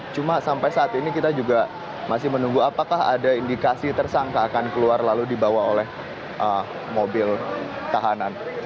cuma sampai saat ini kita juga masih menunggu apakah ada indikasi tersangka akan keluar lalu dibawa oleh mobil tahanan